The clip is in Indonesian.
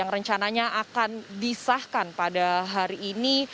yang rencananya akan disahkan pada hari ini